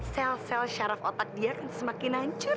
sel sel syaraf otak dia akan semakin hancur